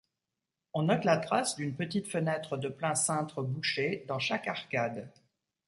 On note la trace d’une petite fenêtre de plein cintre bouchée dans chaque arcade.